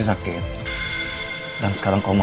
dia benar benar butuh kamu